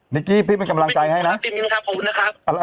กี้พี่เป็นกำลังใจให้นะพี่มิ้นครับขอบคุณนะครับ